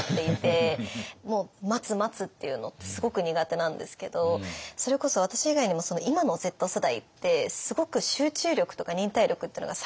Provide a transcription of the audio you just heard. もう待つ待つっていうのってすごく苦手なんですけどそれこそ私以外にも今のＺ世代ってすごく集中力とか忍耐力っていうのが下がってるんですよね。